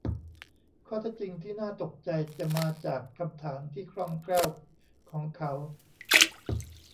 ข้อเท็จจริงที่น่าตกใจจะมาจากคำถามที่คล่องแคล่วของเขา